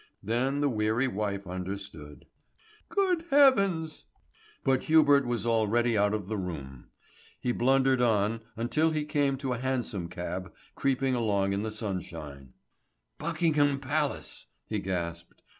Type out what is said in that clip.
Then the weary wife understood. "Good heavens " But Hubert was already out of the room. He blundered on until he came to a hansom cab creeping along in the sunshine. "Buckingham Palace," he gasped.